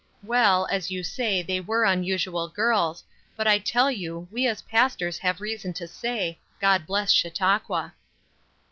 Well, as you say, they were unusual girls, but I tell you, we as pastors have reason to say: 'God bless Chautauqua.'"